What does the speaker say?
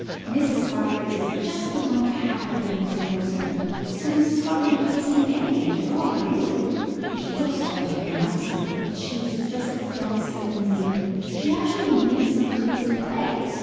"Mrs. Hargrave is just the one to have her then," said Rosanna, "because Mrs. Hargrave isn't any age at all, really. She looks old on the outside, but she is just as young as Helen and me. She actually makes up things to play!